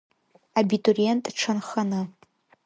Абитуриент дшанханы.